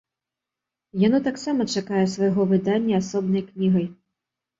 Яно таксама чакае свайго выдання асобнай кнігай.